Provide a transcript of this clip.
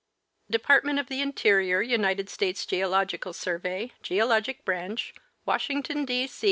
Department of the Interior, United States Geological Survey, Geologic Branch, ^ Washington, D.